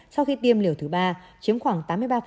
sau khi tiêm liều thứ ba chiếm khoảng tám mươi ba